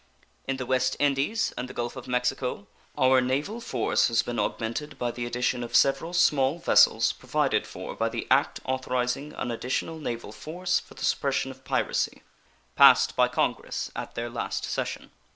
In the West Indies and the Gulf of Mexico our naval force has been augmented by the addition of several small vessels provided for by the "act authorizing an additional naval force for the suppression of piracy", passed by Congress at their last session.